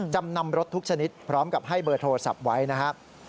จำนำรถทุกชนิดพร้อมกับให้เบอร์โทรศัพท์ไว้นะครับ